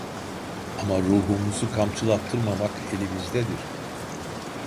Ama ruhumuzu kamçılattırmamak elimizdedir.